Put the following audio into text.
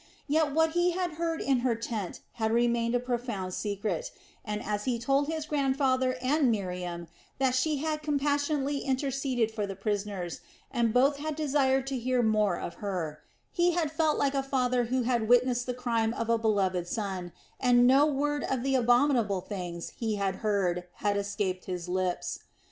Yet what he had heard in her tent had remained a profound secret, and as he told his grandfather and Miriam that she had compassionately interceded for the prisoners, and both had desired to hear more of her, he had felt like a father who had witnessed the crime of a beloved son, and no word of the abominable things he had heard had escaped his lips.